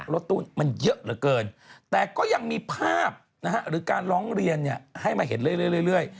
รถตู้มันเยอะเหลือเกินแต่ก็ยังมีภาพหรือการร้องเรียนให้มาเห็นเรื่อย